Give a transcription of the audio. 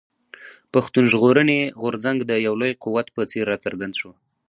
پښتون ژغورني غورځنګ د يو لوی قوت په څېر راڅرګند شو.